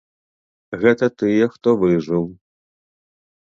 Гэта тыя, хто выжыў.